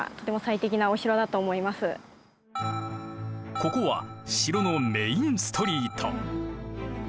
ここは城のメインストリート。